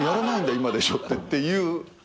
「今でしょ」ってっていう噺。